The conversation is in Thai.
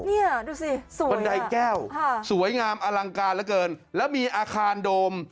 เนี่ยดูสิบันไดแก้วสวยงามอลังการเหลือเกินแล้วมีอาคารโดม